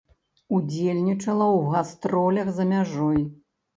Удзельнічала ў гастролях за мяжой.